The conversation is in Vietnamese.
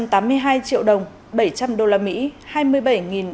ba trăm tám mươi hai triệu đồng bảy trăm linh usd